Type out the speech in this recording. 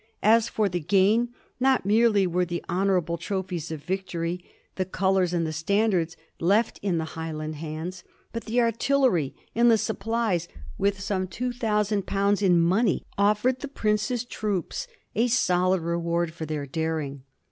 As for the gain, not merely were the honorable trophies of victory, the colors and the standards, left in the Highland hands, but the artillery and the supplies, with some two thousand pounds in money, offered the prince's troops a solid re ward for their daring.